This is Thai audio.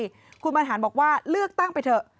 คุณบรรหาศิลปะอาทิตย์บอกว่าเลือกตั้งไปเถอะ